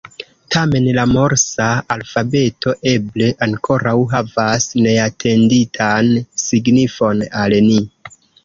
Tamen la morsa alfabeto eble ankoraŭ havas neatenditan signifon al ni.